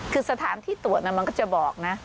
คือสถานที่ตรวจมันก็จะบอกนะ